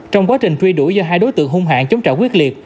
trong quá trình truy đuổi do hai đối tượng hung hạng chống trả quyết liệt